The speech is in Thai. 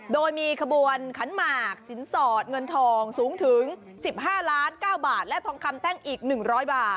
โดยมีขบวนขันหมากสินสอดเงินทองสูงถึง๑๕ล้าน๙บาทและทองคำแท่งอีก๑๐๐บาท